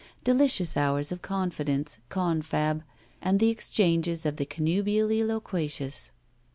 Delicious hours of confidence, confab, and the exchanges of the con nubially loquacious.